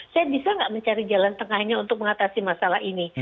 saya bisa nggak mencari jalan tengahnya untuk mengatasi masalah ini